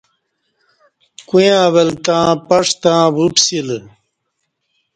کویاں ول تں پَݜ تں وپسی لہ